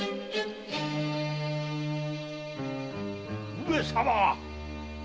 ・上様！